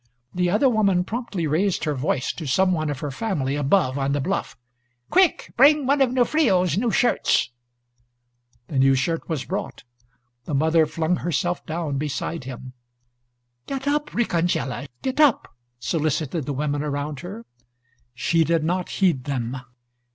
The other woman promptly raised her voice to some one of her family, above on the bluff: "Quick, bring one of Nufrillo's new shirts!" The new shirt was brought. The mother flung herself down beside him. "Get up, Riccangela, get up!" solicited the women around her. She did not heed them.